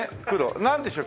なんでしょう？